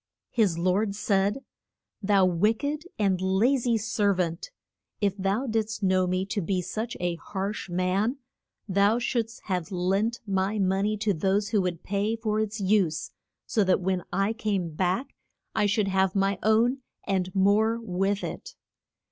His lord said, Thou wick ed and la zy ser vant, if thou didst know me to be such a harsh man thou shouldst have lent my mo ney to those who would pay for its use, so that when I came back I should have my own and more with it.